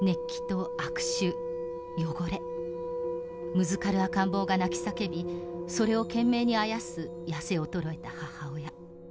むずかる赤ん坊が泣き叫びそれを懸命にあやす痩せ衰えた母親。